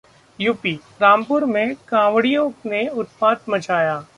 UP: Rampur में कांवडियों ने उत्पात मचाया